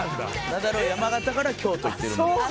ナダルは山形から京都行ってるんで。